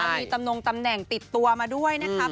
มีตำนงตำแหน่งติดตัวมาด้วยนะครับ